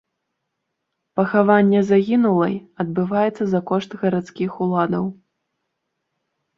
Пахаванне загінулай адбываецца за кошт гарадскіх уладаў.